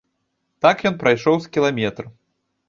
Так ён прайшоў з кіламетр.